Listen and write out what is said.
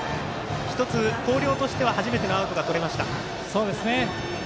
１つ、広陵としては初めてのアウトがとれました。